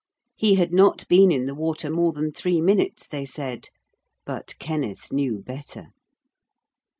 He had not been in the water more than three minutes, they said. But Kenneth knew better.